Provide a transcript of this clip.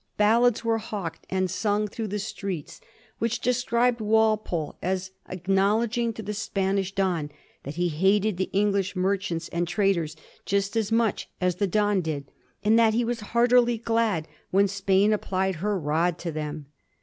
Bal lads were hawked and sung through the streets which de scribed Walpole as acknowledging to the Spanish Don that be hated the English merchants and traders just as much as the Don did, and that he was heartily glad when Spain applied her rod to them.